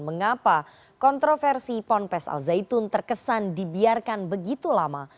mengapa kontroversi ponpes al zaitun terkesan dibiarkan begitu lama